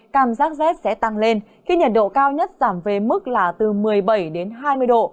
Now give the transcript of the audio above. cảm giác rét sẽ tăng lên khi nhiệt độ cao nhất giảm về mức là từ một mươi bảy đến hai mươi độ